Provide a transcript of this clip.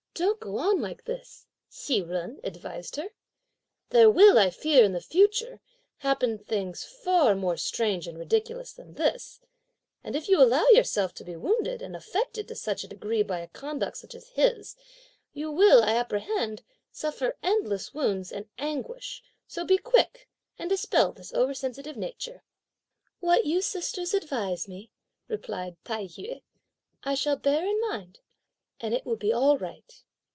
Don't go on like this," Hsi Jen advised her; "there will, I fear, in the future, happen things far more strange and ridiculous than this; and if you allow yourself to be wounded and affected to such a degree by a conduct such as his, you will, I apprehend, suffer endless wounds and anguish; so be quick and dispel this over sensitive nature!" "What you sisters advise me," replied Tai yü, "I shall bear in mind, and it will be all right."